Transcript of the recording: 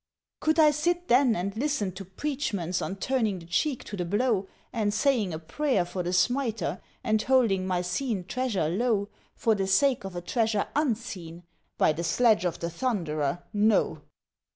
"Could I sit then and listen to preachments on turning the cheek to the blow, And saying a prayer for the smiter, and holding my seen treasure low For the sake of a treasure unseen? By the sledge of the Thunderer, no!